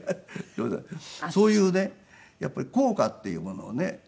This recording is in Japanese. そういうねやっぱり効果っていうものをね。